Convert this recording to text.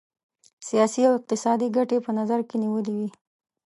سیاسي او اقتصادي ګټي په نظر کې نیولي وې.